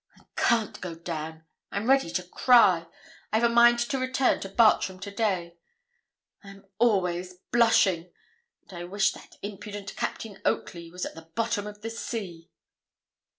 'I can't go down I'm ready to cry I've a mind to return to Bartram to day; I am always blushing; and I wish that impudent Captain Oakley was at the bottom of the sea.'